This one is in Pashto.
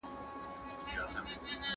که ناست ئې پابسې، که پاڅیدې روان به شې